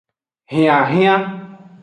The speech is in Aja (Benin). Hianhian.